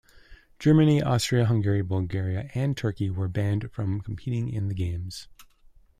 Germany, Austria, Hungary, Bulgaria and Turkey were banned from competing in the Games.